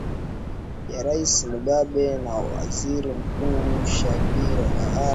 ya rais mugabe na waziri mkuu shangirai